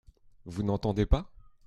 Vous n’entendez pas ?